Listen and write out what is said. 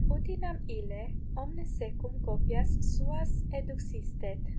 Utinam ille omnes secum copias suas eduxisset!